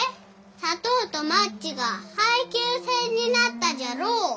砂糖とマッチが配給制になったじゃろお。